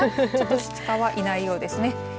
シカはいないようですね。